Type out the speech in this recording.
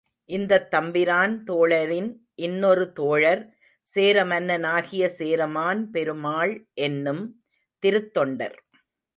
இந்தத் தம்பிரான் தோழரின் இன்னொரு தோழர் சேர மன்னனாகிய சேரமான் பெருமாள் என்னும் திருத்தொண்டர்.